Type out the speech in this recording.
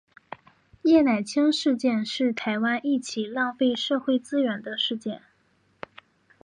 叶乃菁事件是台湾一起浪费社会资源的事件。